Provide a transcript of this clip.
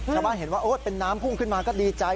ชาวบ้านเห็นพวกอดเป็นน้ำมันพุ่งขึ้นมาก็ดีใจ